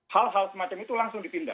hal hal semacam itu langsung ditindak